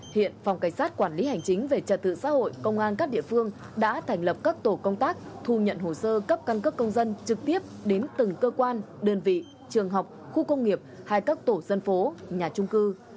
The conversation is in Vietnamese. hiện phòng cảnh sát quản lý hành chính về trật tự xã hội công an các địa phương đã thành lập các tổ công tác thu nhận hồ sơ cấp căn cấp công dân trực tiếp đến từng cơ quan đơn vị trường học khu công nghiệp hay các tổ dân phố nhà trung cư